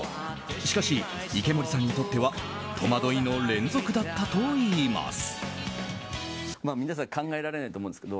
しかし池森さんにとっては戸惑いの連続だったといいます。